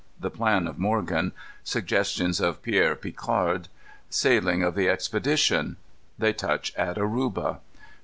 The Plan of Morgan. Suggestions of Pierre Picard. Sailing of the Expedition. They Touch at Oruba.